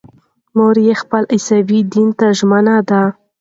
مور یې خپل عیسوي دین ته ژمنه ده.